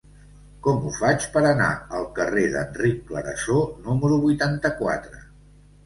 Com ho faig per anar al carrer d'Enric Clarasó número vuitanta-quatre?